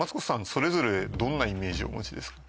それぞれどんなイメージをお持ちですか？